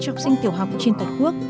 cho học sinh tiểu học trên toàn quốc